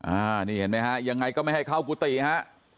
อ่านี่เห็นไหมฮะยังไงก็ไม่ให้เข้ากุฏิฮะ